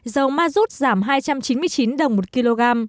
dầu ma rút giảm hai trăm chín mươi chín đồng một kg